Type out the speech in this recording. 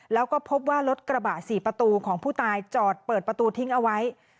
แล้วก็พบว่ารถกระบะ๔ประตูของผู้ตายจอดเปิดประตูทิ้งเอาไว้